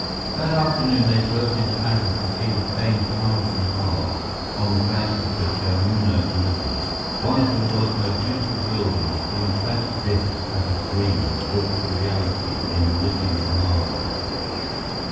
That afternoon they drove into Agra to see the famed Taj Mahal on the bank of the Jamuna River. One of the world's most beautiful buildings, it impressed Biff as a dream brought to reality in living marble.